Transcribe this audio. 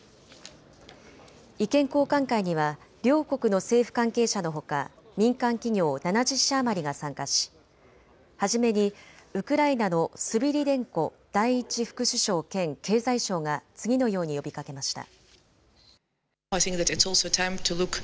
意見交換会には両国の政府関係者のほか民間企業７０社余りが参加し初めにウクライナのスビリデンコ第１副首相兼経済相が次のように呼びかけました。